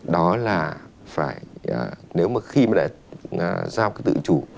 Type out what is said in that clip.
đó là phải nếu mà khi mà giao cái tự chủ